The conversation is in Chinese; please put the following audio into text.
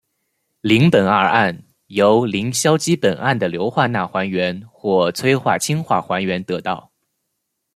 邻苯二胺由邻硝基苯胺的硫化钠还原或催化氢化还原得到。